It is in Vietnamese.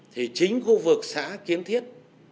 thì chính khu vực xã kiến thiết